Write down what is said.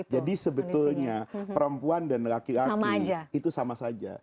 jadi sebetulnya perempuan dan laki laki itu sama saja